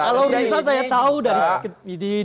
kalau riza saya tahu dari